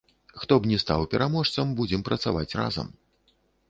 Хто б ні стаў пераможцам, будзем працаваць разам.